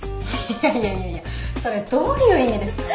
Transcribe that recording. ・ははっいやいやいやそれどういう意味ですか？